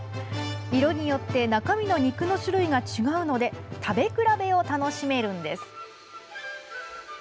色によって中身の肉の種類が違うので食べ比べを楽しめるんです。